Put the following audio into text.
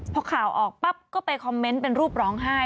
พอข่าวออกปั๊บก็ไปคอมเมนต์เป็นรูปร้องไห้